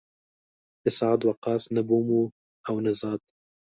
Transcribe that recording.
د سعد وقاص نه بوم و او نه زاد.